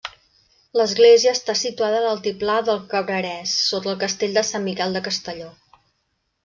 L'església està situada a l'altiplà del Cabrerès, sota el castell de Sant Miquel de Castelló.